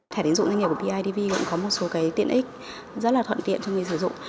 thẻ tín dụng doanh nghiệp của bidv cũng có một số tiện ích rất là thuận tiện cho người sử dụng